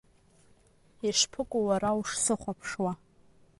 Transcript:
Ишԥыкәу уара ушсыхәаԥшуа?